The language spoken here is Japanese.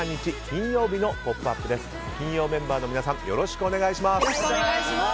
金曜メンバーの皆さんよろしくお願いします。